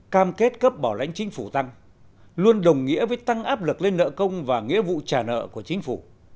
cam kết cấp bảo lãnh chính phủ tăng luôn đồng nghĩa với tăng áp lực lên nợ công và nghĩa vụ trả nợ của chính phủ